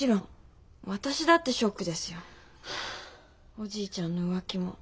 おじいちゃんの浮気も。